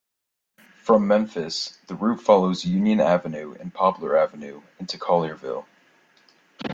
From Memphis, the route follows Union Avenue and Poplar Avenue into Collierville.